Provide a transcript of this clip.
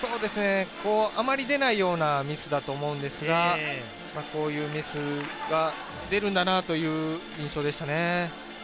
あまり出ないようなミスだと思うんですが、こういうミスが出るんだなぁという印象でした。